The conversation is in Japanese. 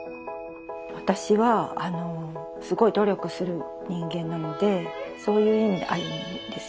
私はすごい努力する人間なのでそういう意味で亜弓ですよね。